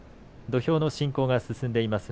土俵の進行が進んでいます。